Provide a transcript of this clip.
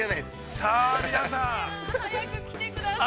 ◆さあ皆さん。◆早く来てください。